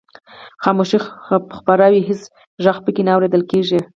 خاموشي خپره وي هېڅ غږ پکې نه اورېدل کیږي.